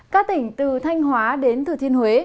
các tỉnh từ thanh hóa đến thừa thiên huế